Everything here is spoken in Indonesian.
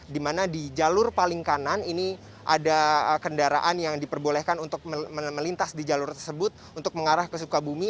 di mana di jalur paling kanan ini ada kendaraan yang diperbolehkan untuk melintas di jalur tersebut untuk mengarah ke sukabumi